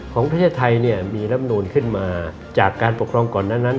ของประเทศไทยเนี่ยมีรับนูนขึ้นมาจากการปกครองก่อนนั้น